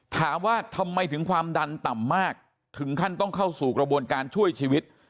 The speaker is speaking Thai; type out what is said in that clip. ถามว่าทำไมถึงความดันต่ำมากถึงขั้นต้องเข้าสู่กระบวนการช่วยชีวิต